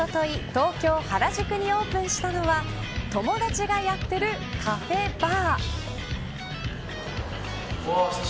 東京、原宿にオープンしたのは友達がやってるカフェ／バー。